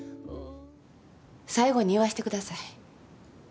最後に言わしてください。